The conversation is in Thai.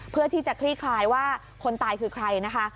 เพื่อที่จะคลี่คลายว่าคนตายคือใครนะคะ